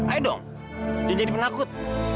ayo dong jangan jadi penakut